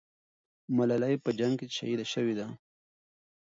ملالۍ په جنگ کې شهیده سوې ده.